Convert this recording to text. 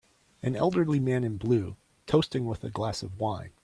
An elderly man in blue toasting with a glass of wine.